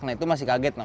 nah itu masih kaget